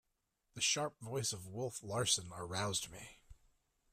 The sharp voice of Wolf Larsen aroused me.